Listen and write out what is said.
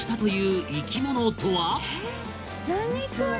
何これ？